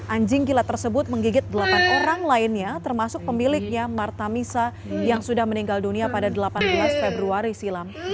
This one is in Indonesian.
anjing gila tersebut menggigit delapan orang lainnya termasuk pemiliknya martamisa yang sudah meninggal dunia pada delapan belas februari silam